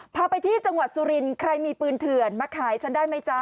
พาไปที่จังหวัดสุรินทร์ใครมีปืนเถื่อนมาขายฉันได้ไหมจ๊ะ